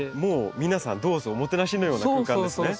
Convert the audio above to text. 皆さんどうぞおもてなしのような空間ですね。